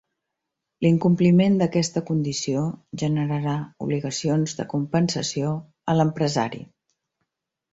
L'incompliment d'aquesta condició generarà obligacions de compensació a l'empresari.